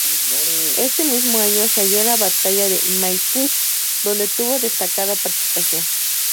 Este mismo año se halló en la batalla de Maipú, donde tuvo destacada participación.